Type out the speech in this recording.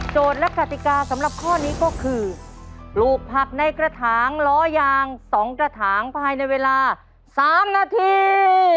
และกติกาสำหรับข้อนี้ก็คือปลูกผักในกระถางล้อยาง๒กระถางภายในเวลา๓นาที